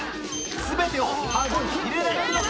全てをカゴに入れられるのか！？